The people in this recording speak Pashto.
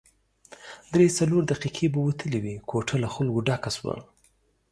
درې څلور دقیقې به وتلې وې، کوټه له خلکو ډکه شوه.